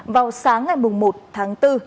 vào sáng ngày một tháng bốn